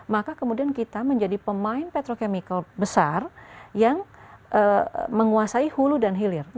maka kemudian kita menjadi pemain petrochemical besar yang menguasai hulu dan hilir